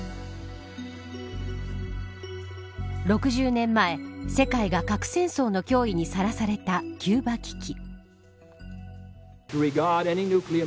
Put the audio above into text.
６０年前、世界が核戦争の脅威にさらされたキューバ危機。